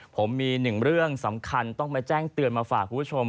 ผมมีหนึ่งเรื่องสำคัญต้องมาแจ้งเตือนมาฝากคุณผู้ชม